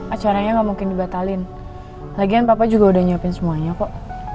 acaranya gak mungkin dibatalin lagian papa juga udah nyiapin semuanya kok